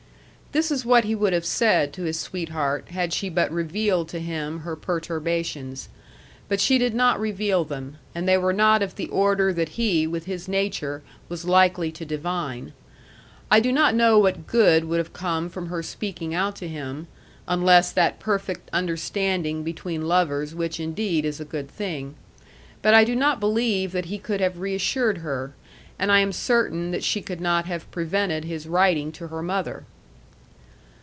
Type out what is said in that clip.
This is what he would have said to his sweetheart had she but revealed to him her perturbations. But she did not reveal them; and they were not of the order that he with his nature was likely to divine. I do not know what good would have come from her speaking out to him, unless that perfect understanding between lovers which indeed is a good thing. But I do not believe that he could have reassured her; and I am certain that she could not have prevented his writing to her mother.